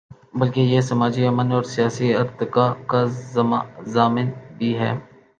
بلکہ یہ سماجی امن اور سیاسی ارتقا کا ضامن بھی ہے۔